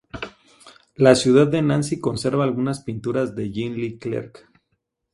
La ciudad de Nancy conserva algunas pinturas de Jean Le Clerc.